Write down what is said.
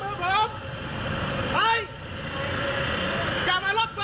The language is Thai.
ยืนอย่าถอยอย่าก้าวถอย